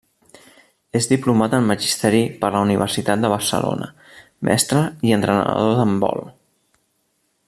És diplomat en magisteri per la Universitat de Barcelona, mestre i entrenador d'handbol.